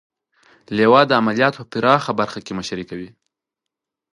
لوا د عملیاتو په پراخه برخه کې مشري کوي.